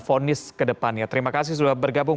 fonis ke depannya terima kasih sudah bergabung